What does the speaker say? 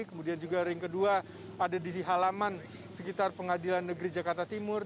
kemudian juga ring kedua ada di halaman sekitar pengadilan negeri jakarta timur